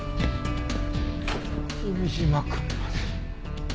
君嶋くんまで。